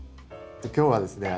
今日はですね